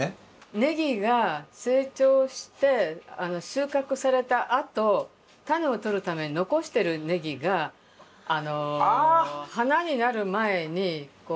葱が成長して収穫されたあと種を取るために残してる葱が花になる前にこう坊主のような。